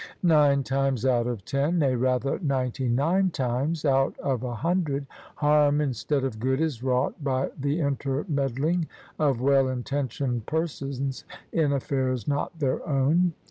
Nine times out of ten — ^nay, rather ninety nine times out of a hundred — ^harm instead of good is wrought by the intermeddling of well intentioned persons in afiEairs not their own.